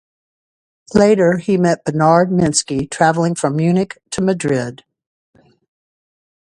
Later he met Bernard Meninsky travelling from Munich to Madrid.